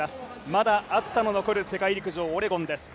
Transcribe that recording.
まだ暑さの残る世界陸上オレゴンです